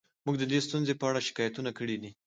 موږ د دې ستونزو په اړه شکایتونه کړي دي